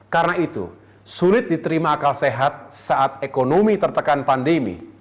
karena itu sulit diterima akal sehat saat ekonomi tertekan pandemi